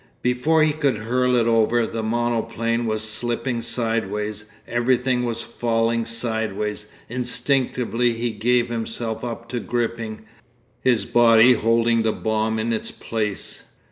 Before he could hurl it over, the monoplane was slipping sideways. Everything was falling sideways. Instinctively he gave himself up to gripping, his body holding the bomb in its place.